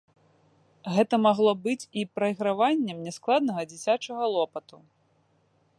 Гэта магло быць і прайграваннем няскладнага дзіцячага лопату.